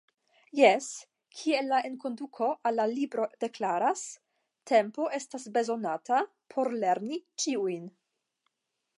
Jes, kiel la enkonduko al la libro deklaras: “Tempo estos bezonata por lerni ĉiujn”.